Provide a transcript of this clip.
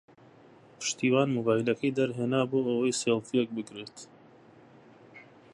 پشتیوان مۆبایلەکەی دەرهێنا بۆ ئەوەی سێڵفییەک بگرێت.